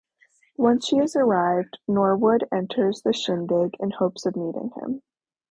Once she has arrived, Norwood enters the shindig in hopes of meeting him.